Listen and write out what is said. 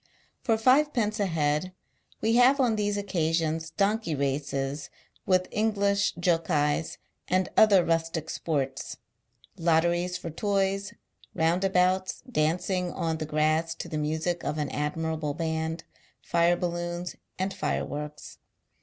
For iivepence a head, we have oil those occasions donkey races with English " Jokeis," and other rustic sports ; lotteries for toys ; round abouts, dancing ou the grass to the music of an admirable band, fire balloons, and fire works.